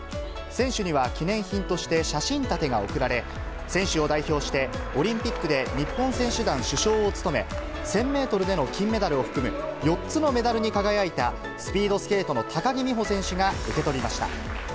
選手には記念品として写真立てが贈られ、選手を代表して、オリンピックで日本選手団主将を務め、１０００メートルでの金メダルを含む、４つのメダルに輝いたスピードスケートの高木美帆選手が受け取り